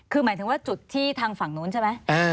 คือหมายถึงว่าจุดที่ทางฝั่งนู้นใช่ไหม